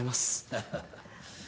ハハハ。